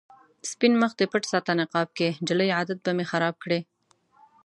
سپين مخ دې پټ ساته نقاب کې، جلۍ عادت به مې خراب کړې